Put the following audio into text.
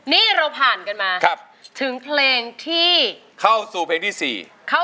นี่เราผ่านกันมาถึงเพลงที่เข้าสู่เพลงที่๔